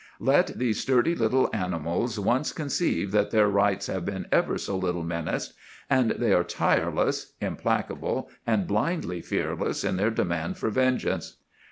Let these sturdy little animals once conceive that their rights have been ever so little menaced, and they are tireless, implacable, and blindly fearless in their demand for vengeance.